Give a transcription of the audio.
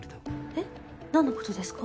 えっ何のことですか？